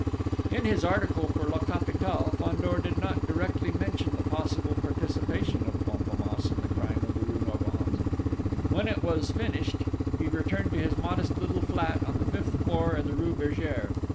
In his article for La Capitale Fandor did not directly mention the possible participation of Fantômas in the crime of the rue Norvins. When it was finished he returned to his modest little flat on the fifth floor in the rue Bergere.